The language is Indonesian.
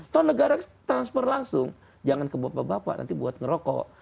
toh negara transfer langsung jangan ke bapak bapak nanti buat ngerokok